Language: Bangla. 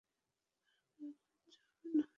আর গেলা যাবে না।